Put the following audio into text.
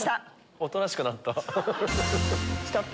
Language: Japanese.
おとなしくなった。